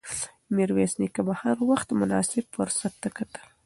میرویس نیکه به هر وخت مناسب فرصت ته کتل.